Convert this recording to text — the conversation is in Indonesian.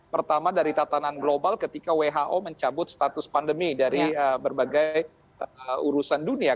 pertama dari tatanan global ketika who mencabut status pandemi dari berbagai urusan dunia